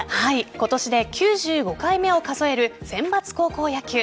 今年で９５回目を数えるセンバツ高校野球。